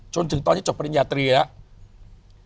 จนถึงตอนนี้จบปริญญาตรีแล้ว